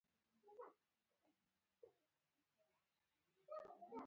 دولت له دریو مختلفو قواوو څخه تشکیل شوی دی.